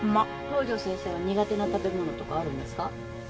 東上先生は苦手な食べ物とかあるんですか？